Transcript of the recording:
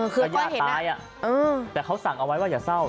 คือญาติตายแต่เขาสั่งเอาไว้ว่าอย่าเศร้า